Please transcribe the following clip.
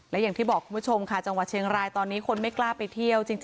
และอย่างที่บอกคุณผู้ชมค่ะจังหวัดเชียงรายตอนนี้คนไม่กล้าไปเที่ยวจริง